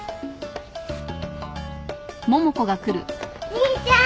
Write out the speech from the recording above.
・兄ちゃん！